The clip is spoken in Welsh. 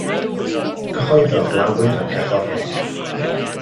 Cyhoeddodd lawer am gerddoriaeth.